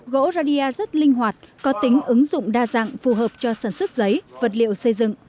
gỗ radia rất linh hoạt có tính ứng dụng đa dạng phù hợp cho sản xuất giấy vật liệu xây dựng